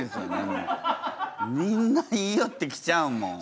みんな言いよってきちゃうもん。